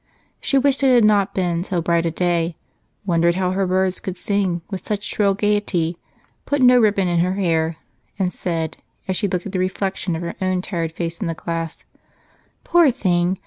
She wished it had not been so bright a day, wondered how her birds could sing with such shrill gaiety, put no ribbon in her hair, and said, as she looked at the reflection of her own tired face in the glass, "Poor thing!